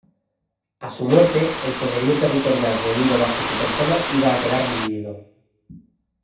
A su muerte, el poderío territorial reunido bajo su persona iba a quedar dividido.